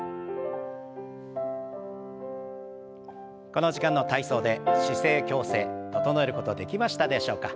この時間の体操で姿勢矯正整えることできましたでしょうか？